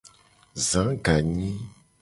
Za ganyi.